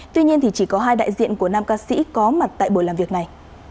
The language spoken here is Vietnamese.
tuy nhiên chỉ có hai đại diện của năm ca sĩ có mặt tại buổi làm việc này